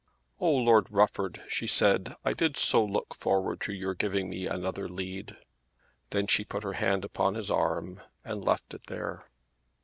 "Oh, Lord Rufford," she said, "I did so look forward to your giving me another lead." Then she put her hand upon his arm and left it there.